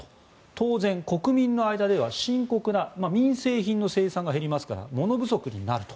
当然、国民の間では深刻な民生品の生産が減りますから物不足になると。